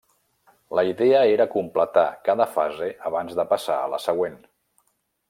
La idea era completar cada fase abans de passar a la següent.